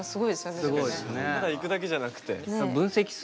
ただ行くだけじゃなくて。